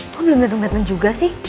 kok belum dateng dateng juga sih